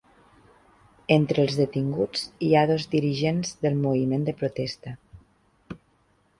Entre els detinguts hi ha dos dirigents del moviment de protesta.